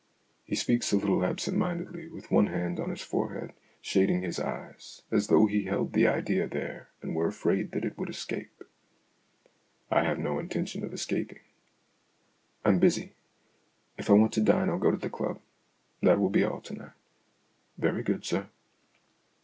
He speaks a little absent mindedly, with one hand on his forehead, shading his eyes, as though he held the idea there and were afraid that it would escape. I have no intention of escaping. " I'm busy ; if I want to dine I'll go to the club. That will be all to night." " Very good, sir."